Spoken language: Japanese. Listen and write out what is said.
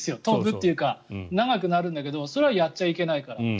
飛ぶというか長くなるんだけどそれはやっちゃいけないから。